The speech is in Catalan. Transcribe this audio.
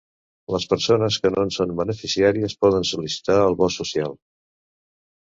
Les persones que no en són beneficiàries poden sol·licitar el bo social.